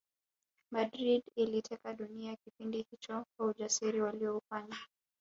Madrid iliteka dunia kipindi hicho kwa usajiri waliyoufanya